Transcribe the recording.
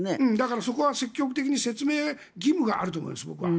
だから、積極的な説明義務があると思います。